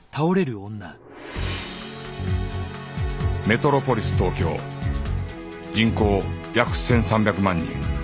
メトロポリス東京人口約１３００万人